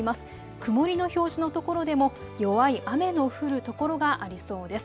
曇りの表示のところでも弱い雨の降る所がありそうです。